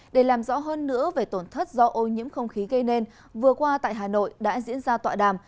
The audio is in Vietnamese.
để làm rõ hơn nữa về tổn thất do ô nhiễm không khí gây nên vừa qua tại hà nội đã diễn ra tọa đàm